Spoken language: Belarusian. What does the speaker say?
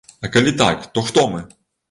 А калі так, то хто мы?